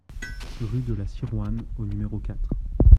Rue de la Sirouanne au numéro quatre